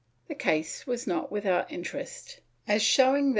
* The case is not without interest as showing that the » MSS.